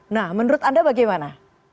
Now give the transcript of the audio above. nah menurut anda bagaimana